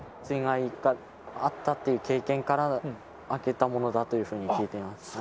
水害があったという経験から開けたものだというふうに聞いてます。